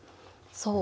そう！